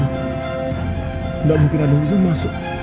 tidak mungkin ada yang bisa masuk